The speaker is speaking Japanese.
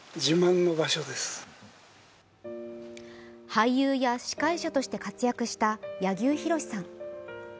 俳優や司会者として活躍した柳生博さん。